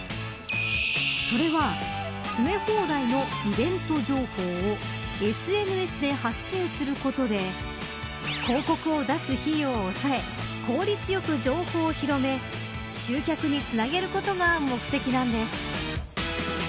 それは、詰め放題のイベント情報をＳＮＳで発信することで広告を出す費用を抑え効率よく情報を広め集客につなげることが目的なんです。